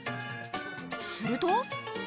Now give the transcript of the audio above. すると。